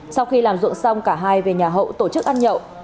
sau khi làm ruộng xong cả hai về nhà hậu tổ chức ăn nhậu